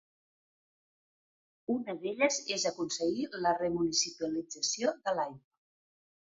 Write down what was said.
Una d'elles és aconseguir la remunicipalització de l'aigua